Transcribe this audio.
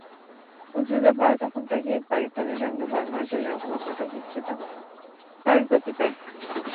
মুক্তিযুদ্ধের পরে তখন থেকেই পাকিস্তানের সঙ্গে বাংলাদেশের সম্পর্ক কিছুটা স্বাভাবিক গতি পায়।